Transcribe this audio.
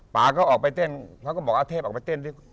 ป่าก็ออกไปเต้นเขาก็บอกเอาเทพออกไปเต้นสิ